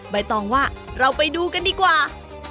ใบตองว่าเราไปดูกันดีกว่า